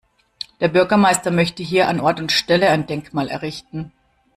Der Bürgermeister möchte hier an Ort und Stelle ein Denkmal errichten.